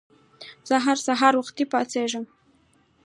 زه هر سهار وختي پاڅېږم.